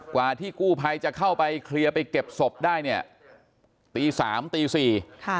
กว่าที่กู้ภัยจะเข้าไปเคลียร์ไปเก็บศพได้เนี่ยตีสามตีสี่ค่ะ